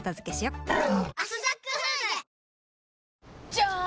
じゃーん！